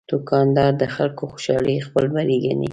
دوکاندار د خلکو خوشالي خپل بری ګڼي.